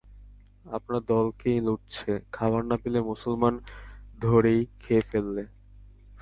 আপনার দলকেই লুঠছে, খাবার না পেলে মুসলমান ধরেই খেয়ে ফেললে।